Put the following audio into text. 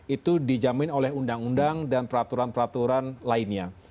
itu dijamin oleh undang undang dan peraturan peraturan lainnya